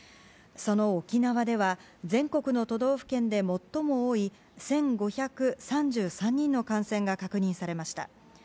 その沖縄では全国の都道府県で最も多い１５３３人の感染が確認されました。